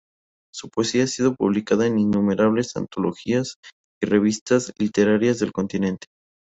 Su poesía ha sido publicada en innumerables antologías y revistas literarias del continente.